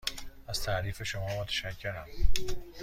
از تعریف شما متشکرم.